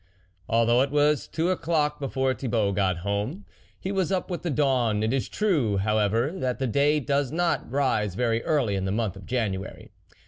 Although it was two o'clock before Thibault got home, he was up with the dawn ; it is true, however, that the day does not rise very early in the month of January.